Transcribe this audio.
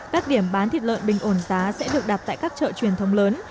các điểm bán thịt lợn bình ổn giá sẽ được đạp tại các chợ truyền thông lớn